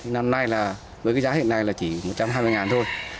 năm nay là với cái giá hiện nay là chỉ một trăm hai mươi thôi